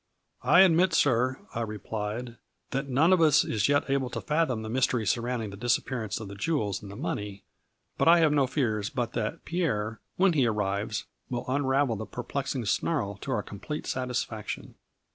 " I admit, sir," I replied, " that none of us is yet able to fathom the mystery surrounding the disappearance of the jewels and money, but I have no fears but that Pierre, when he arrives, will unravel the perplexing snarl to our com plete satisfaction.